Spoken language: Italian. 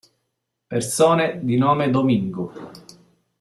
Persone di nome Domingo